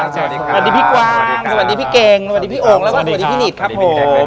สวัสดีพี่กวางสวัสดีพี่เกงสวัสดีพี่โอ๋งและสวัสดีพี่นิดครับผม